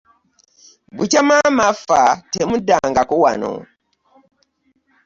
Bukya maama afa temuddangako wano.